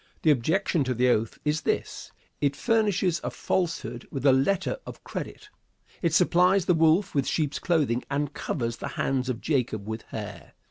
The objection to the oath is this: It furnishes a falsehood with a letter of credit. It supplies the wolf with sheep's clothing and covers the hands of Jacob with hair.